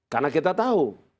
karena kita tahu